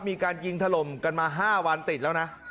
มีการยิงถล่มกันมา๕วันติดแล้วนะ